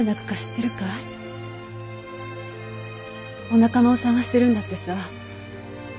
お仲間を探してるんだってさ。